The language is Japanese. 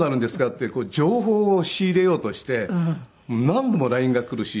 って情報を仕入れようとして何度もＬＩＮＥが来るし。